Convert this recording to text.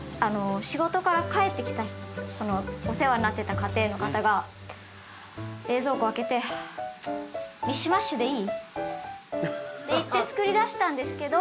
仕事から帰ってきたお世話になってた家庭の方が冷蔵庫開けて「はあチッミッシュマッシュでいい？」って言ってつくり出したんですけど。